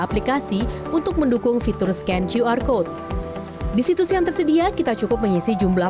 aplikasi untuk mendukung fitur scan qr code di situs yang tersedia kita cukup mengisi jumlah